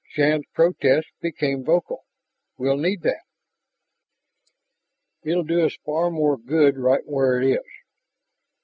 Shann's protest became vocal. "We'll need that!" "It'll do us far more good right where it is...."